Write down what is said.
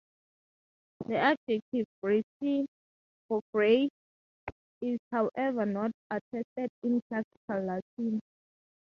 The adjective "grisea" for "grey" is however not attested in classical Latin.